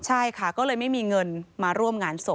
ใช่ค่ะก็เลยไม่มีเงินมาร่วมงานศพ